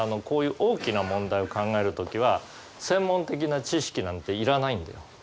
こういう大きな問題を考える時は専門的な知識なんて要らないんだよ。